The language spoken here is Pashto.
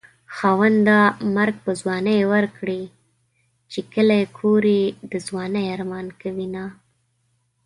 خاونده مرګ په ځوانۍ ورکړې چې کلی کور يې د ځوانۍ ارمان کوينه